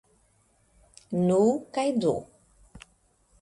Nu, kaj do!